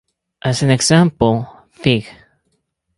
As an example, Fig.